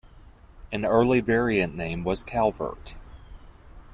An early variant name was Calvert.